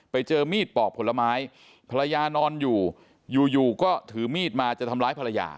ไปเจอมีดปอกผลไม้ภรรยานอนอยู่อยู่ก็ถือมีดมาจะทำร้ายภรรยา